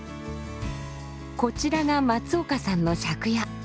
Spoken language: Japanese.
こちらが松岡さんの借家。